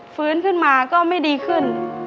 ฟื้นขึ้นมาก็ไม่ดีขึ้น